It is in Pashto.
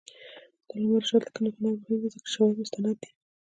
د علامه رشاد لیکنی هنر مهم دی ځکه چې شواهد مستند دي.